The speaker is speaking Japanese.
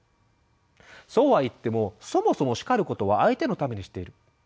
そうは言っても「そもそも叱ることは相手のためにしている」